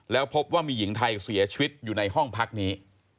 แล้วพบว่ามีหญิงไทยเสียชีวิตอยู่ในห้องพักนี้